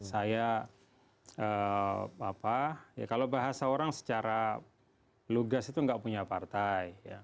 saya apa ya kalau bahasa orang secara lugas itu nggak punya partai